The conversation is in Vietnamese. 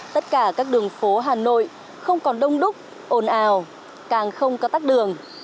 tất cả các đường phố hà nội không còn đông đúc ồn ào càng không có tắt đường